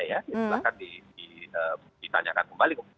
silahkan ditanyakan kembali